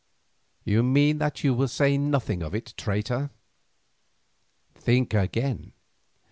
"You mean that you will say nothing of it, traitor. Think again.